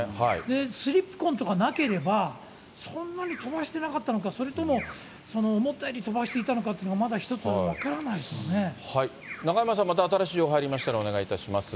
スリップ痕とかなければ、そんなに飛ばしてなかったのか、それとも思ったより飛ばしていたのかというのは、まだ、一つ分からない中山さん、また新しい情報入りましたらお願いいたします。